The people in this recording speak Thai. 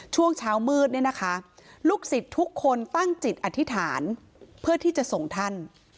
ช่วงเช้ามืดเนี่ยนะคะลูกศิษย์ทุกคนตั้งจิตอธิษฐานเพื่อที่จะส่งท่าน